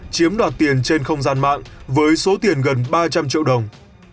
chiếm đoạt tiền trên không gian mạng với số tiền gần ba trăm linh triệu đồng